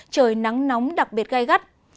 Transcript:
trời nắng nóng đặc biệt gây gắt